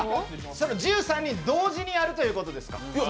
１３人同時にやるということですか。